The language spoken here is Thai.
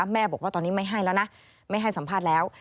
แม่บอกว่าตอนนี้ไม่ให้แล้วนะไม่ให้สัมภาษณ์แล้ว